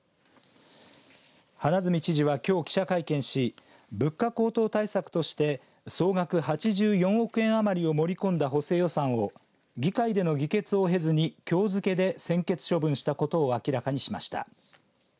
花角知事は、きょう記者会見し物価高騰対策として総額８４億円余りを盛り込んだ補正予算を議会での議決を経ずにきょう付けで専決処分したことを明らかにしました。